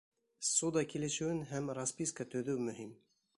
Ссуда килешеүен һәм расписка төҙөү мөһим.